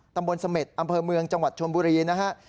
ตำบลเสม็ดอำเภอเมืองจังหวัดชนบุรีนะฮะ